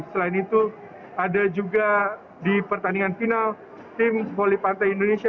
selain itu ada juga di pertandingan final tim voli pantai indonesia